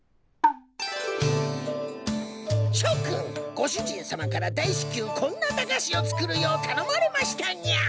ご主人様から大至急こんな駄菓子を作るようたのまれましたにゃ。